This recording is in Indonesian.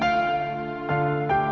ya ya tahu